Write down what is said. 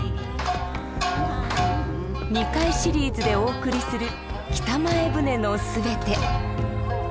２回シリーズでお送りする北前船の全て。